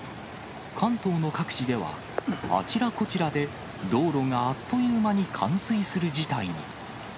関東の各地では、あちらこちらで道路があっというまに冠水する事態に。